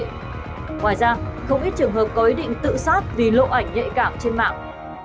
ngoài ra không ít trường hợp có ý định tự sát vì lộ ảnh nhạy cảm trên mạng